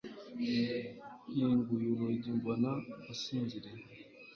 nkinguye urugi, mbona asinziriye